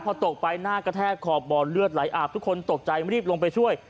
พอตกไปหน้ากระแทกขอบบ่อเลือดไหลอาบทุกคนตกใจรีบลงไปช่วย